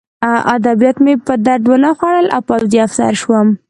ادبیات مې په درد ونه خوړل او پوځي افسر شوم